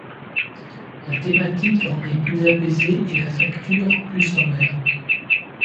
La thématique en est plus apaisée et la facture, plus sommaire.